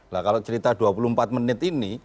nah kalau cerita dua puluh empat menit ini